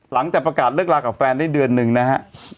หลังจากประกาศเลิกลากับแฟนได้เดือนหนึ่งนะฮะ